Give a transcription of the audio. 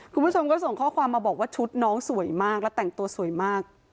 คุณผู้ชมก็ส่งข้อความมาบอกว่าชุดน้องสวยมากและแต่งตัวสวยมาก